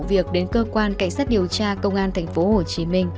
việc đến cơ quan cảnh sát điều tra công an tp hcm